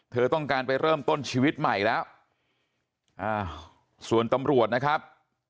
เธอต้องการไปเริ่มต้นชีวิตใหม่แล้วอ่าส่วนตำรวจนะครับ